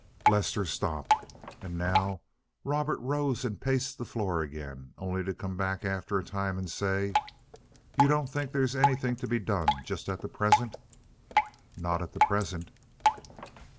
Lester stopped, and now Robert rose and paced the floor again, only to come back after a time and say, "You don't think there's anything to be done just at present?" "Not at present."